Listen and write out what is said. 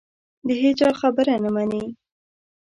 د هېچا خبره نه مني